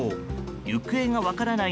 行方が分からない